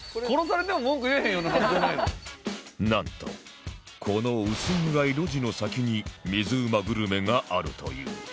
なんとこの薄暗い路地の先に水うまグルメがあるという